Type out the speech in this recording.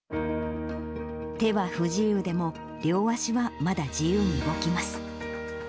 手は不自由でも、両足はまだ自由に動きます。